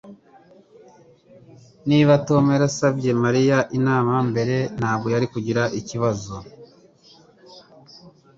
Niba Tom yarasabye Mariya inama mbere ntabwo yari kugira iki kibazo